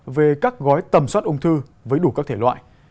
về các gói tầm soát ung thư với đủ các thể loại